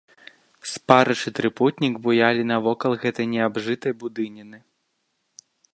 Спарыш і трыпутнік буялі навокал гэтай неабжытай будыніны.